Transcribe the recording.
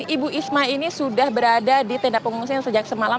ibu isma ini sudah berada di tenda pengungsian sejak semalam